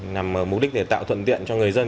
nằm mục đích để tạo thuận tiện cho người dân